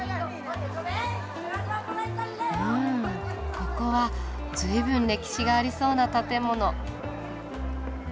うんここは随分歴史がありそうな建物。